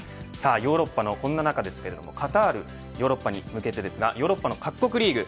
ヨーロッパのこんな中カタールヨーロッパに向けてヨーロッパの各国リーグ